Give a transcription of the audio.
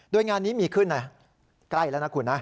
ด้วยงานนี้มีขึ้นใกล้แล้วนะคุณ